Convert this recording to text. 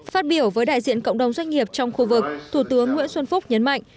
phát biểu với đại diện cộng đồng doanh nghiệp trong khu vực thủ tướng nguyễn xuân phúc nhấn mạnh